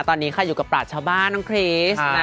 ตอนนี้ค่ะอยู่กับปราชชาวบ้านน้องคริส